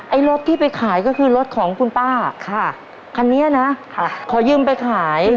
รถที่ไปขายก็คือรถของคุณป้าค่ะคันนี้นะขอยืมไปขาย